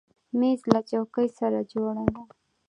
مېز له چوکۍ سره جوړه ده.